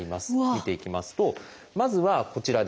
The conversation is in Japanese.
見ていきますとまずはこちらですね。